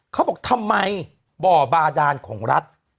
เขาบอกทำไมบ่อบาดานของรัฐ